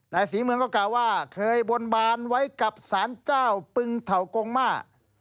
ศรีเมืองก็กล่าวว่าเคยบนบานไว้กับสารเจ้าปึงเถากงมา